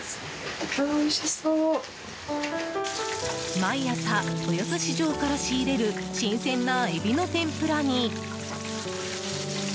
毎朝、豊洲市場から仕入れる新鮮なエビの天ぷらに。